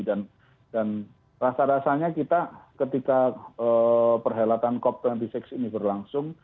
dan rasa rasanya kita ketika perhelatan cop dua puluh enam ini berlangsung